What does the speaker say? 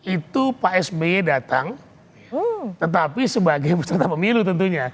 itu pak sby datang tetapi sebagai peserta pemilu tentunya